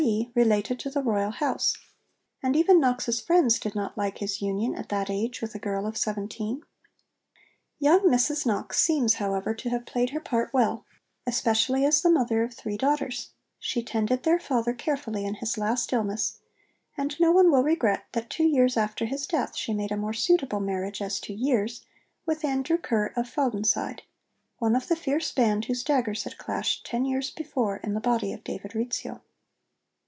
e._ related to the Royal house; and even Knox's friends did not like his union at that age with a girl of seventeen. Young Mrs Knox seems, however, to have played her part well, especially as mother of three daughters; she tended their father carefully in his last illness; and no one will regret that two years after his death she made a more suitable marriage as to years with Andrew Ker of Faudonside, one of the fierce band whose daggers had clashed ten years before in the body of David Rizzio.